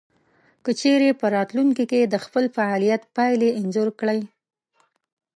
که چېرې په راتلونکې کې د خپل فعاليت پايلې انځور کړئ.